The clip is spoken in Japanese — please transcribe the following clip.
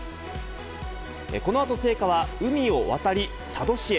このあと聖火は海を渡り、佐渡市へ。